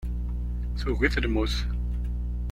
Tugi-t lmut.